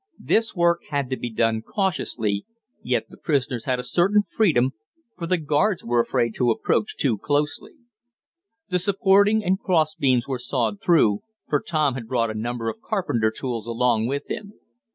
This work had to be done cautiously, yet the prisoners had a certain freedom, for the guards were afraid to approach too closely. The supporting and cross beams were sawed through, for Tom had brought a number of carpenter tools along with him.